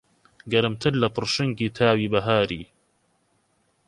گەرمتر لە پڕشنگی تاوی بەهاری